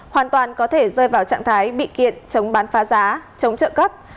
hoàn toàn có thể rơi vào trạng thái bị kiện chống bán phá giá chống trợ cấp